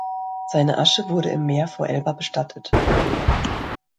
Seine Asche wurde im Meer vor Elba bestattet.